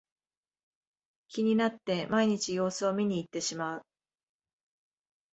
気になって毎日様子を見にいってしまう